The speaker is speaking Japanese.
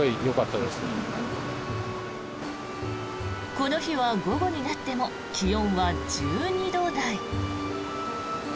この日は午後になっても気温は１２度台。